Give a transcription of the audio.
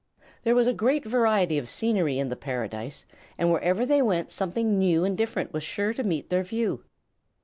There was a great variety of scenery in the Paradise, and wherever they went something new and different was sure to meet their view.